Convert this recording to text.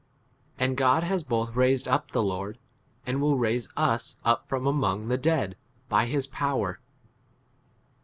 14 And God has both raised up the Lord, and will raise us up from among [the dead] by his power.